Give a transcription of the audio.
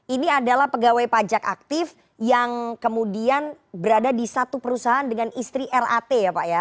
ini adalah pegawai pajak aktif yang kemudian berada di satu perusahaan dengan istri rat ya pak ya